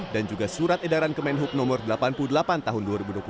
dan juga surat edaran kemenhub no delapan puluh delapan tahun dua ribu dua puluh satu